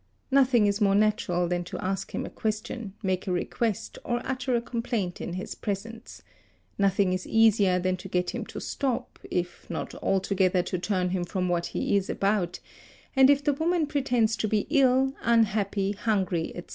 Nothing is more natural than to ask him a question, make a request, or utter a complaint in his presence ; nothing is easier than to get him to stop, if not altogether to turn him from what he is about; and if the woman pretends to be ill, unhappy, hungry, etc.